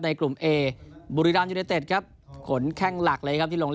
ในกลุ่มเอบุรีรามยูเนเต็ดครับขนแข้งหลักเลยครับที่ลง